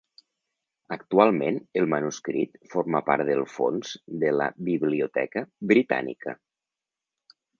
Actualment el manuscrit forma part del fons de la Biblioteca Britànica.